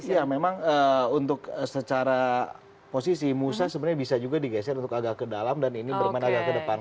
ya memang untuk secara posisi musa sebenarnya bisa juga digeser untuk agak ke dalam dan ini bermain agak ke depan